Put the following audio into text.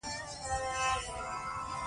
هغه په ډیر ادب سره وویل چې په څوکۍ کښیني